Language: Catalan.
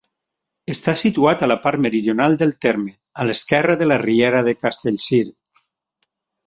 Està situat a la part meridional del terme, a l'esquerra de la riera de Castellcir.